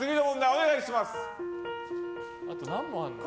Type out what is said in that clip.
お願いします。